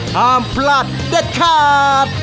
ห้ามพลาดเด็ดขาด